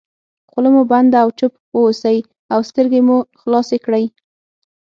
خوله مو بنده او چوپ واوسئ او سترګې مو خلاصې کړئ.